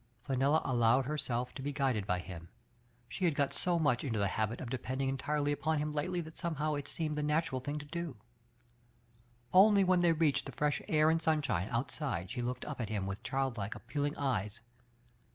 Fenella allowed herself to be guided by him ; she had got so much into the habit of depending entirely upon him lately that somehow it seemed the natural thing to do. Only when they reached the fresh air and sunshine outside she looked up at him with childlike, appealing eyes.